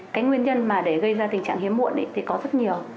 cái nguyên nhân mà để gây ra tình trạng hiếm muộn thì có rất nhiều